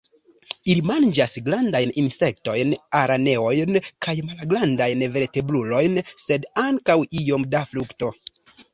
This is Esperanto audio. Ili manĝas grandajn insektojn, araneojn kaj malgrandajn vertebrulojn, sed ankaŭ iom da frukto.